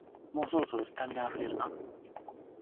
もうそろそろ、スタミナあふれるな